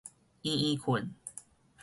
嚶嚶睏